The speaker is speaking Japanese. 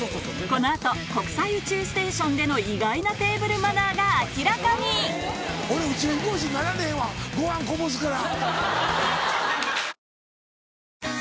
この後国際宇宙ステーションでの意外なテーブルマナーが明らかに俺宇宙飛行士なられへんわご飯こぼすから。